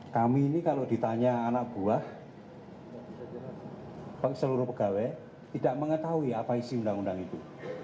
kami ini kalau ditanya anak buah seluruh pegawai tidak mengetahui apa isi undang undang itu